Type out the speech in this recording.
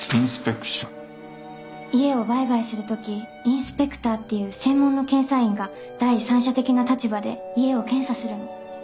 家を売買する時インスペクターっていう専門の検査員が第三者的な立場で家を検査するの。